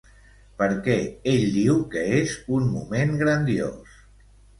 Per què ell diu que és un moment grandiós?